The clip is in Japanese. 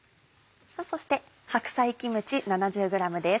そして白菜キムチ７０ｇです。